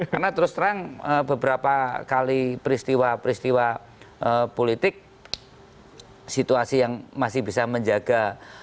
karena terus terang beberapa kali peristiwa peristiwa politik situasi yang masih bisa menjaga bangsa itu